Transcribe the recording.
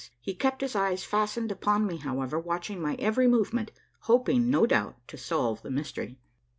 He kept his eyes fastened upon me, however, watching my every movement, hoping, no doubt, to solve the mystery.